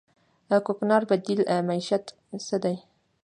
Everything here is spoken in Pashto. د کوکنارو بدیل معیشت څه دی؟